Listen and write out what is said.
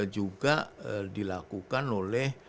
juga dilakukan oleh